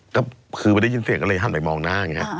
ก็คือไม่ได้ยินเสียงก็เลยหันไปมองหน้าไง